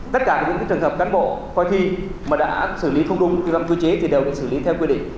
tất cả những trường hợp cán bộ coi thi mà đã xử lý không đúng kinh doanh quy chế thì đều được xử lý theo quy định